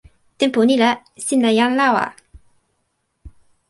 tenpo ni la, sina jan lawa!